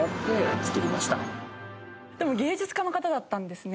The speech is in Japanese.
でも芸術家の方だったんですね。